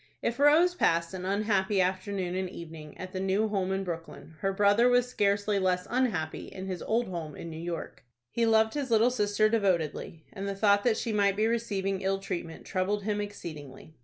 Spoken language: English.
If Rose passed an unhappy afternoon and evening at the new home in Brooklyn, her brother was scarcely less unhappy in his old home in New York. He loved his little sister devotedly, and the thought that she might be receiving ill treatment troubled him exceedingly.